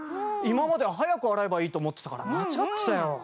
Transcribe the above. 今まで早く洗えばいいと思ってたから間違ってたよ。